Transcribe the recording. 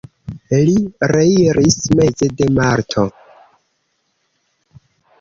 Li reiris meze de marto.